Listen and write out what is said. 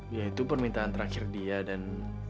ya itu permintaan terakhir dia dan